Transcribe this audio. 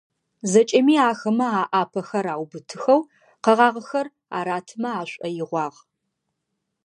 ЗэкӀэми ахэмэ alaпэхэр аубытыхэу, къэгъагъэхэр аратымэ ашӀоигъуагъ.